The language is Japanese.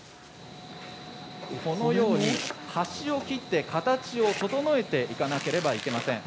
このように端を切って形を整えていかなければなりません。